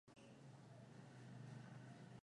huitangaza vyema nchi ya Tanzania na vivutio vyake